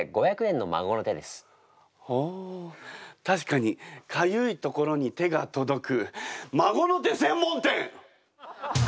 確かにかゆいところに手が届く孫の手専門店！